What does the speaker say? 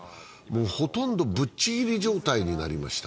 ほとんどぶっちぎり状態になりました。